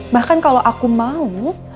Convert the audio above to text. bahkan kalau aku mau